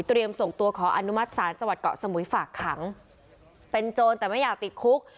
ส่งตัวขออนุมัติศาลจังหวัดเกาะสมุยฝากขังเป็นโจรแต่ไม่อยากติดคุก